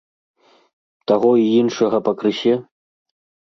Таго й іншага пакрысе?